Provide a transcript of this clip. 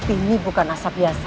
ini bukan asap biasa